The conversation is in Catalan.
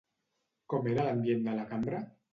Com era l'ambient de la cambra?